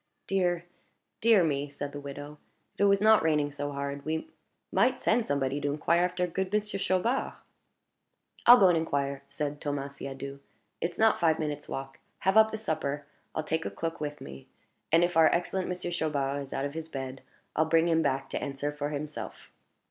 "Dear, dear me!" said the widow. "If it was not raining so hard, we might send somebody to inquire after good Monsieur Chaubard." "I'll go and inquire," said Thomas Siadoux. "It's not five minutes' walk. Have up the supper; I'll take a cloak with me; and if our excellent Monsieur Chaubard is out of his bed, I'll bring him back, to answer for himself."